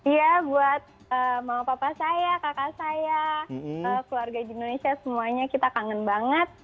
ya buat mama papa saya kakak saya keluarga di indonesia semuanya kita kangen banget